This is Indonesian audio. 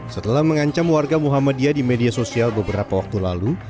setelah mengancam warga muhammadiyah di media sosial beberapa waktu lalu